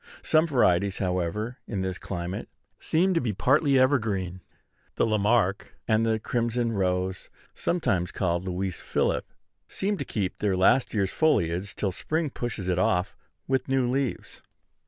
Some varieties, however, in this climate, seem to be partly evergreen. The La Marque and the crimson rose, sometimes called Louis Philippe, seem to keep their last year's foliage till spring pushes it off with new leaves.